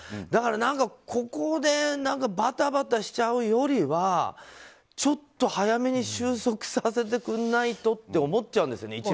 だからここで何かバタバタしちゃうよりはちょっと早めに収束させてくんないとって思っちゃうんですよね。